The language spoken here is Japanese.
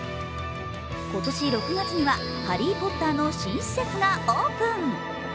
今年６月には「ハリー・ポッター」の新施設がオープン。